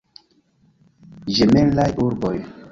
Ĝemelaj urboj.